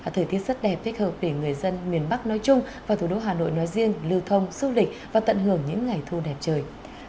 thời tiết rất đẹp thích hợp để người dân miền bắc nói chung và thủ đô hà nội nói riêng lưu thông du lịch và tận hưởng những ngày thu đẹp trời